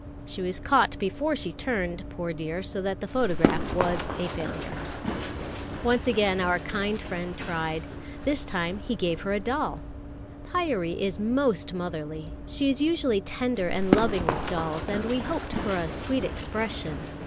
She was caught before she turned, poor dear, so that photograph was a failure. Once again our kind friend tried. This time he gave her a doll. Pyârie is most motherly. She is usually tender and loving with dolls, and we hoped for a sweet expression.